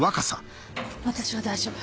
私は大丈夫。